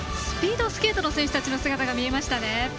スピードスケートの選手たちの姿が見えましたね。